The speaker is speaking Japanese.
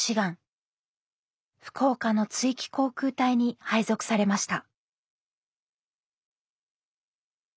福岡の築城航空隊に配属されました。